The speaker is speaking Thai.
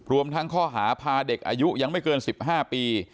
รวมทั้งข้อหาพาเด็กอายุยังไม่เกิน๑๕ปี